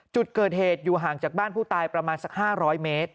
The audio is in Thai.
จุดเกิดเหตุอยู่ห่างจากบ้านผู้ตายประมาณสัก๕๐๐เมตร